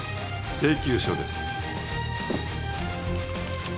請求書です。